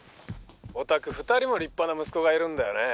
お宅２人も立派な息子がいるんだよね。